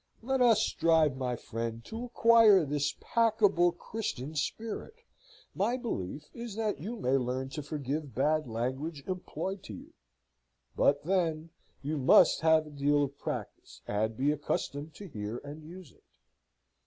Let us strive, my friend, to acquire this pacable, Christian spirit. My belief is that you may learn to forgive bad language employed to you; but, then, you must have a deal of practice, and be accustomed to hear and use it.